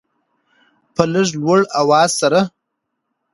په لږ لوړ اواز سره